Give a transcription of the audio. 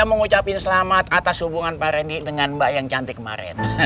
saya mengucapkan selamat atas hubungan pak randy dengan mbak yang cantik kemarin